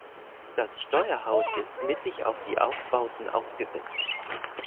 Das Steuerhaus ist mittig auf die Aufbauten aufgesetzt.